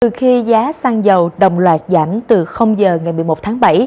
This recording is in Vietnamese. khi giá xăng dầu đồng loạt giảm từ giờ ngày một mươi một tháng bảy